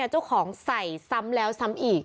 เจ้าของใส่ซ้ำแล้วซ้ำอีก